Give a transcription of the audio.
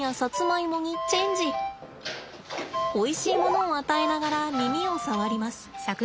おいしいものを与えながら耳を触ります。